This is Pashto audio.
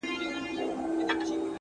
كله توري سي!!